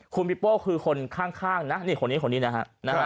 คุณปิโป้คือคนข้างนะนี่คนนี้คนนี้นะฮะ